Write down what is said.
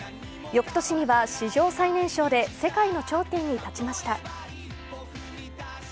翌年には史上最年少で世界の頂点に立ちました。